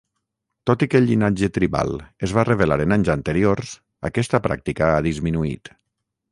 Tot i que el llinatge tribal es va revelar en anys anteriors, aquesta pràctica ha disminuït.